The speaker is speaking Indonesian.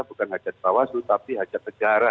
bukan hajat bawah sulit tapi hajat negara